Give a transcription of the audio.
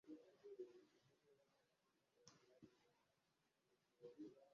Umugore ufashe umwana mu ntoki